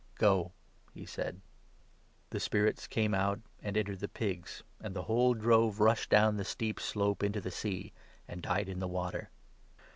" Go," he said. 32 The spirits came out, and entered the pigs ; and the whole drove rushed down the steep slope into the Sea, and died in the water.